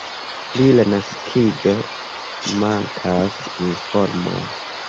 Pri la naskiĝo mankas informoj.